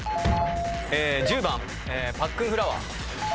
１０番パックンフラワー。